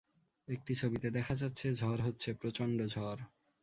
একটি ছবিতে দেখা যাচ্ছে ঝড় হচ্ছে প্রচণ্ড ঝড়।